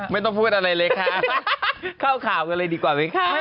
ไม่ต้องพูดอะไรเลยค้าข้าวค่าวเลยก็เลยดีกว่าไหมค้า